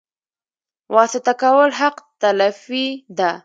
واسطه کول حق تلفي ده